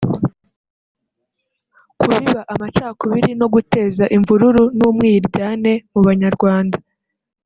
kubiba amacakubiri no guteza imvururu n’ umwiryane mu Banyarwanda